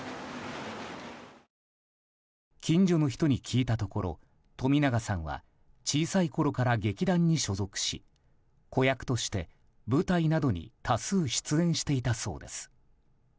近所の人に聞いたところ冨永さんは小さいころから劇団に所属し子役として、舞台などに多数出演していたそうです。